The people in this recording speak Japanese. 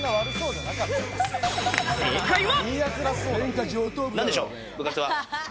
正解は。